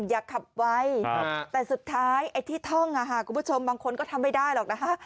อย่าขับไวแต่สุดท้ายไอ้ที่ท่องคุณผู้ชมบางคนก็ทำไม่ได้หรอกนะคะ